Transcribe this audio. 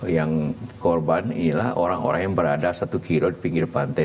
yang korban ialah orang orang yang berada satu kilo di pinggir pantai